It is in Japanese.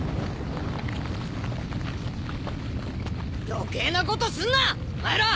余計なことすんなお前ら！